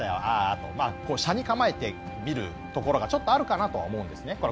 あとこう斜に構えて見るところがちょっとあるかなとは思うんですね